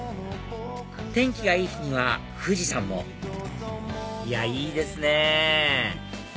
天気がいい日には富士山もいやいいですね！